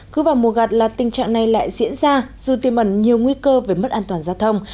cứ vào mùa gặt là tình trạng này lại diễn ra dù tiêm ẩn nhiều nguy cơ về mất an toàn giao thông